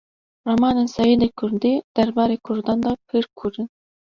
Ramanên Seîdê Kurdî derbarê Kurdan de pir kûr in